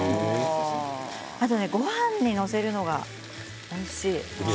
あとはごはんに載せるのがおいしい。